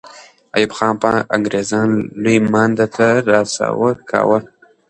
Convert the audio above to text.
ایوب خان به انګریزان لوی مانده ته را سوه کاوه.